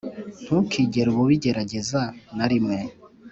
ntukigere ubu bijyerajyeza na rimwe